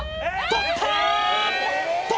取ったー！